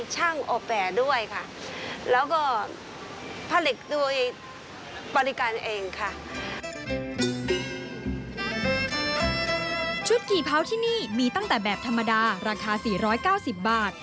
ชุดกี่เผาที่นี่มีตั้งแต่แบบธรรมดาราคา๔๙๐บาท